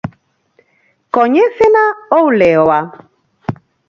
¿Coñécena ou léoa?